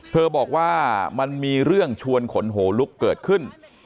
บอกว่ามันมีเรื่องชวนขนหัวลุกเกิดขึ้น